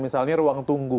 misalnya ruang tunggu